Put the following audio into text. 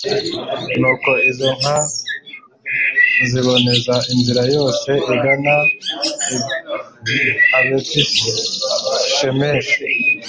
nuko izo nka ziboneza inzira yose igana i betishemeshi